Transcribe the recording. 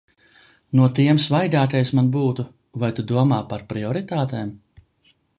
No tiem svaigākais man būtu – vai tu domā par prioritātēm?